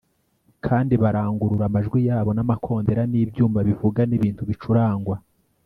kandi barangurura amajwi yabo n'amakondera n'ibyuma bivuga n'ibintu bicurangwa